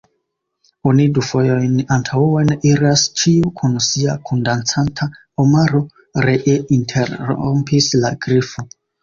"Oni du fojojn antaŭen iras, ĉiu kun sia kundancanta omaro," ree interrompis la Grifo.